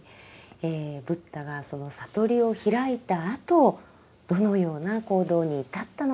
ブッダがその悟りを開いたあとどのような行動に至ったのか。